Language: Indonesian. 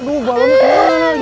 aduh balonnya kebunan lagi